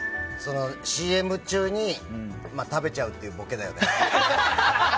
ＣＭ中に食べちゃうというボケだよね。